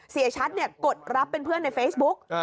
เสียชัตริย์เนี่ยกดรับเป็นเพื่อนในเฟซบุ๊ก